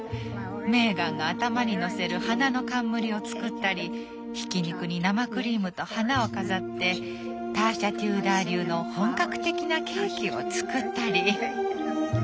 メーガンが頭に載せる花の冠を作ったりひき肉に生クリームと花を飾ってターシャ・テューダー流の本格的なケーキを作ったり。